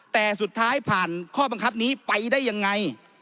แต่สุดท้ายผ่านข้อบังคับนี้ไปได้ยังไง